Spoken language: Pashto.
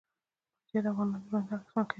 پکتیا د افغانانو ژوند اغېزمن کوي.